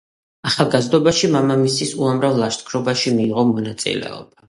ახალგაზრდობაში მამამისის უამრავ ლაშქრობაში მიიღო მონაწილეობა.